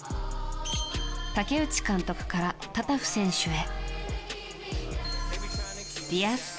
竹内監督からタタフ選手へ。